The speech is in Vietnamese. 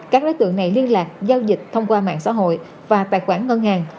các đối tượng này liên lạc giao dịch thông qua mạng xã hội và tài khoản ngân hàng